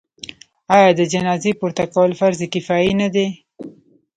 آیا د جنازې پورته کول فرض کفایي نه دی؟